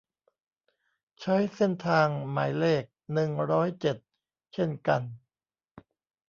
ใช้เส้นทางหมายเลข หนึ่งร้อยเจ็ด เช่นกัน